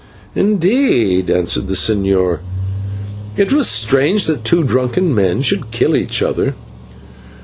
"Indeed," answered the señor; "it was strange that two drunken men should kill each other."